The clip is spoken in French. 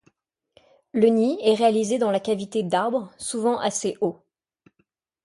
Le nid est réalisé dans la cavité d'arbre, souvent assez haut.